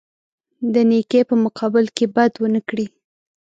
د نیکۍ په مقابل کې بد ونه کړي.